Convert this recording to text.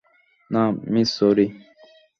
না, miss Mary.